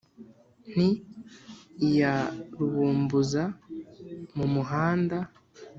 Nti: Iya rubumbuza mu muhanda,